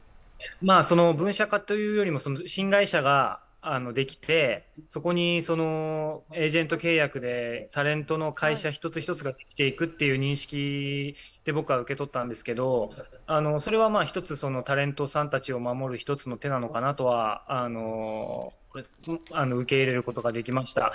分社化というよりも新会社ができて、そこにエージェント契約でタレントの会社一つ一つができていくという認識で僕は受け取ったんですけれどもそれはひとつ、タレントさんたちを守る１つの手なのかなとは受け入れることができました。